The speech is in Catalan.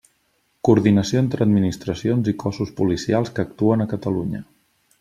Coordinació entre administracions i cossos policials que actuen a Catalunya.